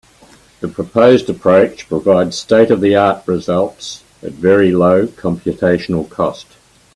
The proposed approach provides state-of-the-art results at very low computational cost.